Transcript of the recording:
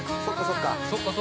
「そっかそっか」